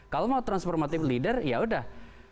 kalau mau transformative leader ya udah